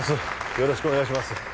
よろしくお願いします